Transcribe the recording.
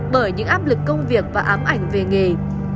bởi những áp lực công việc và ám ảnh về nghề